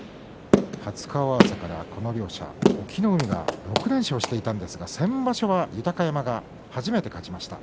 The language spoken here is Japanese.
初顔合わせからこの両者隠岐の海が６連勝していたんですが先場所は豊山が初めて勝ちました。